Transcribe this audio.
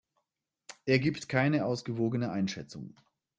Er gibt keine ausgewogene Einschätzung.